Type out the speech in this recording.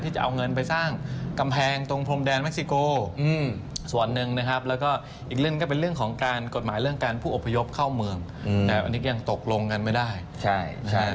จริงแล้วในส่วนของแนวชายแดงเนี่ย